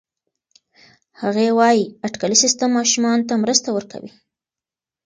هغې وايي اټکلي سیستم ماشومانو ته مرسته ورکوي.